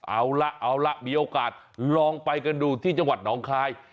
เอาล่ะเอาล่ะมีโอกาสลองไปกันดูที่จังหวัดหนองคาย